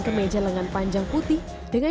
kemeja lengan panjang putih dengan